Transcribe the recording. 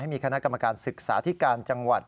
มีคณะกรรมการศึกษาธิการจังหวัด